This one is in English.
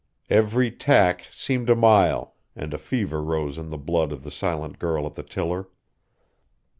Every tack seemed a mile, and a fever rose in the blood of the silent girl at the tiller.